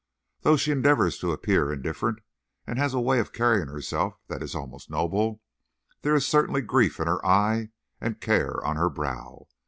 Though she endeavors to appear indifferent and has a way of carrying herself that is almost noble, there is certainly grief in her eye and care on her brow.